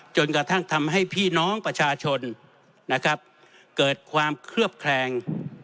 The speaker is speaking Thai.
จนกระทั่งทำให้พี่น้องประชาชนนะครับเกิดความเคลือบแคลง